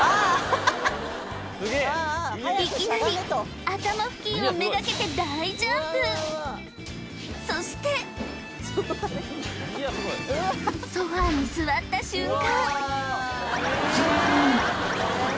いきなり頭付近をめがけて大ジャンプそしてソファーに座った瞬間